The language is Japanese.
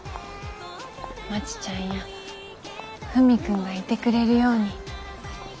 まちちゃんやふみくんがいてくれるように。